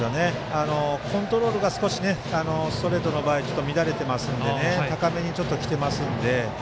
コントロールが少しストレートの場合乱れていますのでちょっと高めに来ていますので。